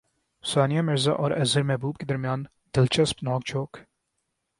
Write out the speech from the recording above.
ثانیہ مرزا اور اظہر محمود کے درمیان دلچسپ نوک جھونک